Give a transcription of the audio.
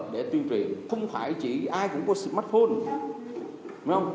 để tạo ra mặt trung điểm không phải chỉ ai cũng có smartphone